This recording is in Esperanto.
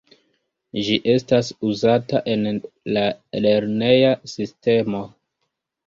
Ĝi estas uzata en la lerneja sistemo.